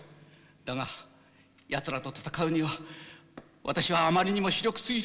だがやつらと戦うには私はあまりにも非力すぎる。